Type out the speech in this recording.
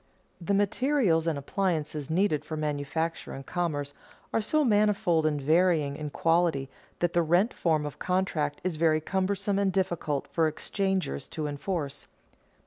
_ The materials and appliances needed for manufacture and commerce are so manifold and varying in quality that the rent form of contract is very cumbersome and difficult for exchangers to enforce.